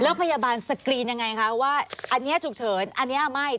แล้วพยาบาลสกรีนยังไงคะว่าอันนี้ฉุกเฉินอันนี้ไม่